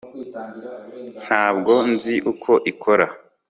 ntabwo nzi uko ikora